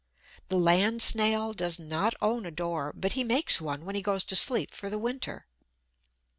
The land Snail does not own a door, but he makes one when he goes to sleep for the winter.